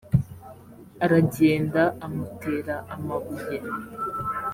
aragenda amutera amabuye